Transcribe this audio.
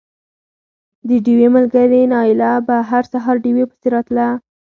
د ډېوې ملګرې نايله به هر سهار ډېوې پسې راتله